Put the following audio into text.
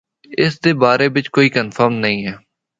اس دے بارے بچ کوئی کنفرم نیں ہے۔